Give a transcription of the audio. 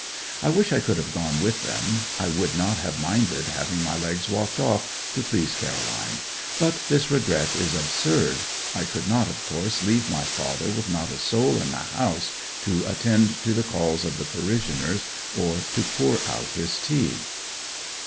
I wish I could have gone with them. I would not have minded having my legs walked off to please Caroline. But this regret is absurd: I could not, of course, leave my father with not a soul in the house to attend to the calls of the parishioners or to pour out his tea.